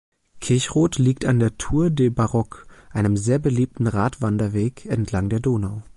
Kirchroth liegt an der Tour de Barock, einem sehr beliebten Radwanderweg entlang der Donau.